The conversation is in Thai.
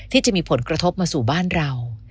ที่มีผลกระทบมาสู่บ้านเรา